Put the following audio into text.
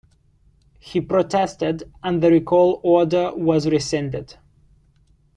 He protested, and the recall order was rescinded.